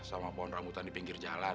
sama pohon rambutan di pinggir jalan